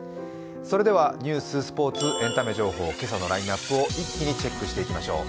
それではニュース、スポーツ、エンタメ情報、今朝のラインナップを一気にチェックしていきましょう。